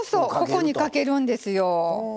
ここにかけるんですよ。